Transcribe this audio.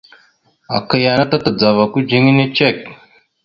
Aka yana ta tadzava kudziŋine cek.